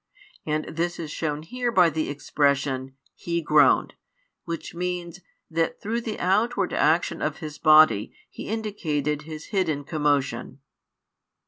And this is shown here by the expression: "He groaned," which means, that through the outward action of His Body He indicated His hidden commotion.